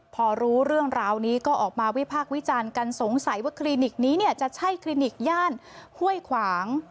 พอรู้เรื่องราวนี้ก็ออกมาวิพากษ์วิจารณ์กันสงสัยว่าคลินิกนี้เนี่ยจะใช่คลินิกย่านห้วยขวาง